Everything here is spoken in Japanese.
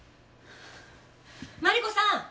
マリコさん！